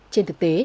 trên thực tế